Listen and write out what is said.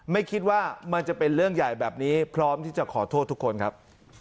ไม่คิดว่ามันจะเป็นเรื่องใหญ่แบบนี้พร้อมที่จะขอโทษทุกคนครับ